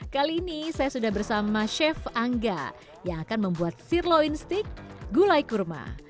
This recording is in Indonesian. kali ini saya sudah bersama chef angga yang akan membuat sirloin steak gulai kurma